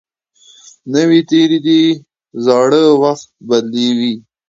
نوی تېر د زاړه وخت بدیل وي